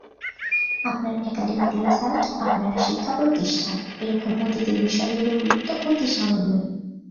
আপনার academic result, আপনার শিক্ষাপ্রতিষ্ঠান—এ রকম অতীতের বিষয়গুলোর গুরুত্ব অতি সামান্যই।